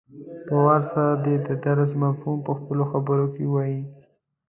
په وار سره دې د درس مفهوم په خپلو خبرو کې ووايي.